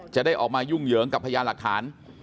จะได้ออกมายุ่งเหยิงกับพยานหลักฐาน